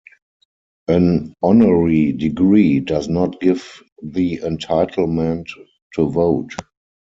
An honorary degree does not give the entitlement to vote.